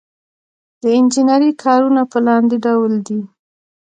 د انجنیری کارونه په لاندې ډول دي.